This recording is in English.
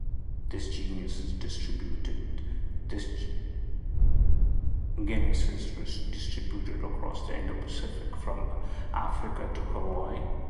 This genus is distributed across the Indo-Pacific from Africa to Hawaii.